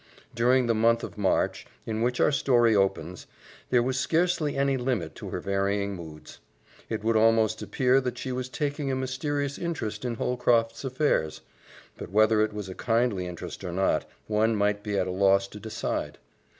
During the month of March, in which our story opens, there was scarcely any limit to her varying moods. It would almost appear that she was taking a mysterious interest in Holcroft's affairs; but whether it was a kindly interest or not, one might be at a loss to decide.